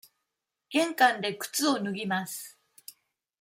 玄関で靴を脱ぎます。